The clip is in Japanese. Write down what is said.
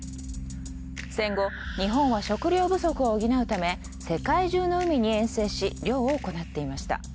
戦後日本は食糧不足を補うため世界中の海に遠征し漁を行っていました。